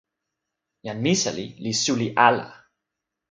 jan Misali li suli ala.